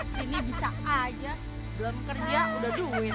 kesini bisa aja belum kerja udah duit